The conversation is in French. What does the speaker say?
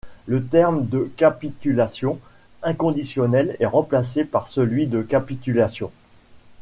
Le terme de capitulation inconditionnelle est remplacé par celui de capitulation.